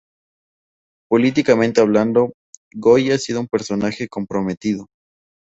Políticamente hablando, Goy ha sido un personaje comprometido.